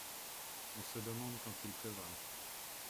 On se demande quand il pleuvra.